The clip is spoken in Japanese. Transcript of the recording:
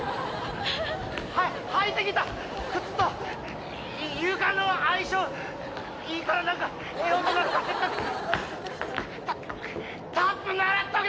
はい、履いてきた靴と床の相性いいから、なんか、ええ音鳴らせそう。